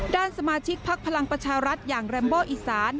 ด้านสมาชิกพักพลังประชารัฐอย่างแรมโบอีสาน